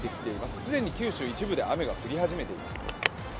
既に九州、一部で雨が降り始めています。